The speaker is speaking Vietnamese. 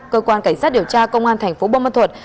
cơ quan cảnh sát điều tra công an thành phố bông ma thuột